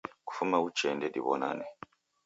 Kufuma uchee ndediw'onane.